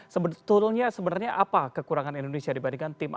sebetulnya sebenarnya apa kekurangan indonesia dibandingkan tim asia tenggara